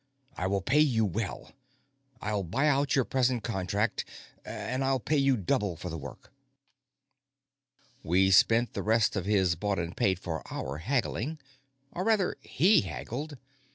"I will pay you well. I'll buy out your present contract, and I'll pay you double for the work." We spent the rest of his bought and paid for hour haggling. Or, rather, he haggled.